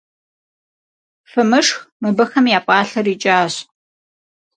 Фымышх, мыбыхэм я пӏалъэр икӏащ.